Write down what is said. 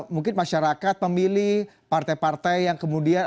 mungkin masyarakat pemilih partai partai yang kemudian